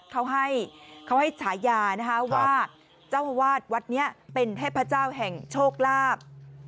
เขาให้ฉายานะคะว่าเจ้าอาวาสวัดนี้เป็นเทพเจ้าแห่งโชคลาภ